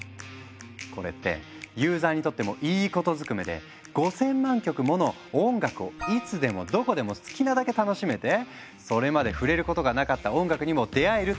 これってユーザーにとってもいいことずくめで５，０００万曲もの音楽をいつでもどこでも好きなだけ楽しめてそれまで触れることがなかった音楽にも出会えるっていう画期的な話。